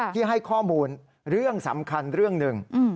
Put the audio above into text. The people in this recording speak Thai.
ที่ให้ข้อมูลเรื่องสำคัญเรื่องหนึ่ง